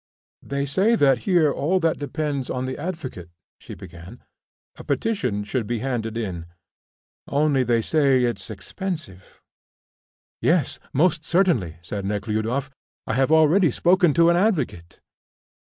"They say here that all depends on the advocate," she began. "A petition should be handed in, only they say it's expensive." "Yes, most certainly," said Nekhludoff. "I have already spoken to an advocate."